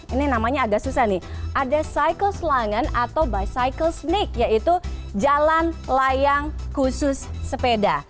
ini namanya agak susah nih ada cycle slangen atau bicycle sneak yaitu jalan layang khusus sepeda